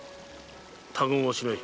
他言はしない。